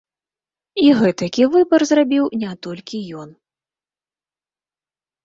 І гэтакі выбар зрабіў не толькі ён.